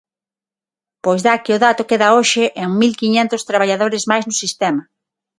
Pois dá que o dato queda hoxe en mil quiñentos traballadores máis no sistema.